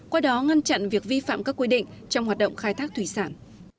qua đó ngăn chặn việc vi phạm các quy định trong hoạt động khai thác thủy sản